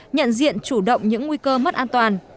nhận diện chủ động những nguy cơ mất an toàn